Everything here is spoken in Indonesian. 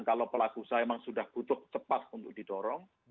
kalau pelaku usaha memang sudah butuh cepat untuk didorong